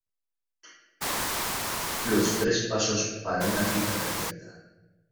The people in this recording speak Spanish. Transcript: los tres pasos para una cita perfecta.